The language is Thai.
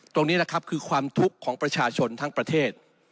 ตรงนี้แหละครับคือความทุกข์ของประชาชนทั้งประเทศ